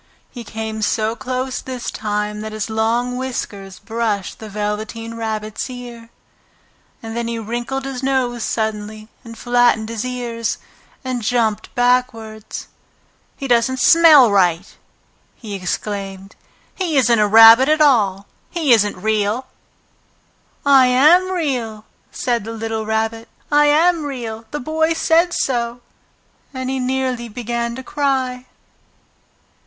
He came so close this time that his long whiskers brushed the Velveteen Rabbit's ear, and then he wrinkled his nose suddenly and flattened his ears and jumped backwards. "He doesn't smell right!" he exclaimed. "He isn't a rabbit at all! He isn't real!" "I am Real!" said the little Rabbit. "I am Real! The Boy said so!" And he nearly began to cry.